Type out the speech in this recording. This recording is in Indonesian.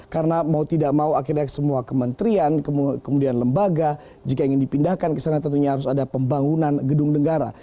karena mau tidak mau akhirnya semua kementerian kemudian lembaga jika ingin dipindahkan ke sana tentunya harus ada pembangunan gedung negara